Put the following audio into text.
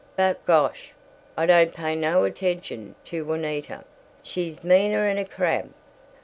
But gosh, I don't pay no attention to Juanita. She's meaner 'n a crab."